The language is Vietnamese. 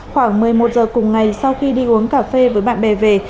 khoảng một mươi một giờ cùng ngày sau khi đi uống cà phê với bạn bè về